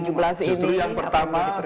justru yang pertama